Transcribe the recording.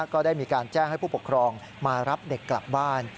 ก็ได้มีการแจ้งให้ผู้ปกครองมารับเด็กกลับบ้าน